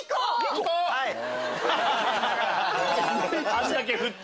あんだけ振って？